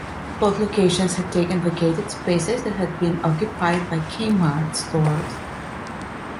Both locations had taken vacated spaces that had been occupied by Kmart stores.